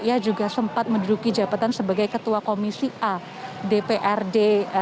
ia juga sempat menduduki jabatan sebagai ketua komisi a dprd